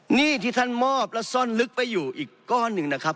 หนี้ที่ท่านมอบและซ่อนลึกไปอยู่อีกก้อนหนึ่งนะครับ